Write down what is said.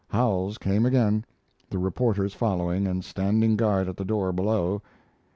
Howells came again, the reporters following and standing guard at the door below.